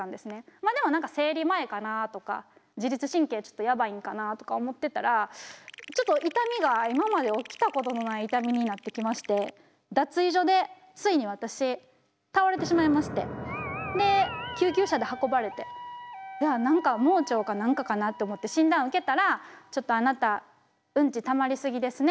まあでも生理前かなとか自律神経ちょっとやばいんかなとか思ってたらちょっと痛みが今まで起きたことのない痛みになってきまして脱衣所でついに私倒れてしまいましてで救急車で運ばれていや何か盲腸か何かかなと思って診断受けたら「ちょっとあなたうんちたまりすぎですね」